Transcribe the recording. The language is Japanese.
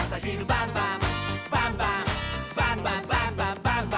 「バンバンバンバンバンバン！」